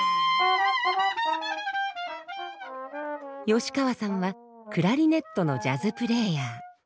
吉川さんはクラリネットのジャズプレーヤー。